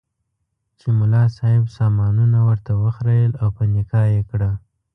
چې ملا صاحب سامانونه ورته وخریېل او په نکاح یې کړه.